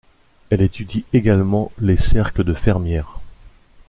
Elle étudie également les cercles de fermières.